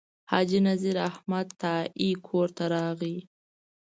حاجي نذیر احمد تائي کور ته راغی.